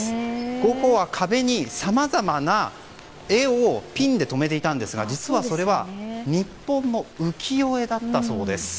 ゴッホは壁に、さまざまな絵をピンで留めていたんですが実はそれは日本の浮世絵だったそうです。